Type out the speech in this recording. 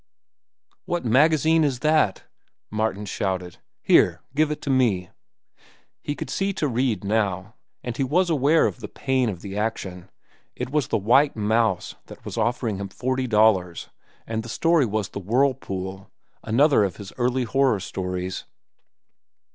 '" "What magazine is that?" Martin shouted. "Here, give it to me!" He could see to read, now, and he was unaware of the pain of the action. It was the White Mouse that was offering him forty dollars, and the story was "The Whirlpool," another of his early horror stories.